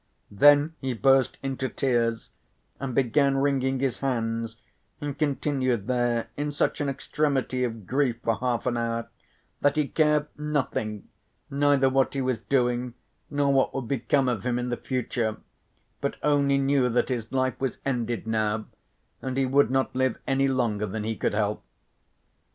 Then he burst into tears and began wringing his hands and continued there in such an extremity of grief for half an hour that he cared nothing, neither what he was doing, nor what would become of him in the future, but only knew that his life was ended now and he would not live any longer than he could help.